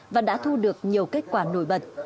và đã thu được nhiều kết quả nổi bật